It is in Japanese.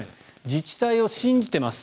自治体を信じています